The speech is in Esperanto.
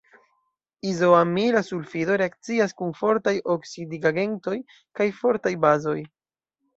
Izoamila sulfido reakcias kun fortaj oksidigagentoj kaj fortaj bazoj.